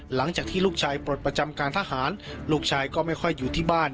หลังจากที่ลูกชายปลดประจำการทหารลูกชายก็ไม่ค่อยอยู่ที่บ้าน